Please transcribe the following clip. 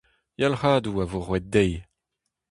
Yalc'hadoù a vo roet dezhi.